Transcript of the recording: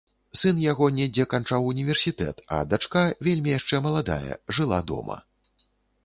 Сын яго недзе канчаў універсітэт, а дачка, вельмі яшчэ маладая, жыла дома.